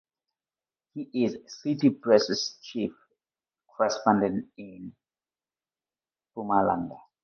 He is "City Press"s chief correspondent in Mpumalanga.